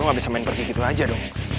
gak bisa main pergi gitu aja dong